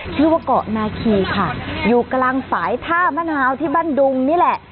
ชื่อว่าเกาะนาคีค่ะอยู่กลางฝ่ายท่ามะนาวที่บ้านดุงนี่แหละ